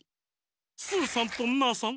スーさんとナーさん